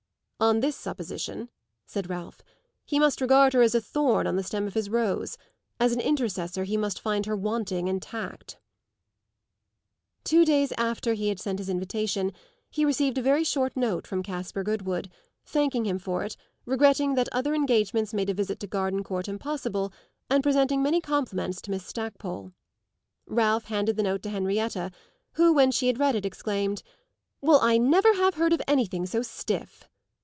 "On this supposition," said Ralph, "he must regard her as a thorn on the stem of his rose; as an intercessor he must find her wanting in tact." Two days after he had sent his invitation he received a very short note from Caspar Goodwood, thanking him for it, regretting that other engagements made a visit to Gardencourt impossible and presenting many compliments to Miss Stackpole. Ralph handed the note to Henrietta, who, when she had read it, exclaimed: "Well, I never have heard of anything so stiff!"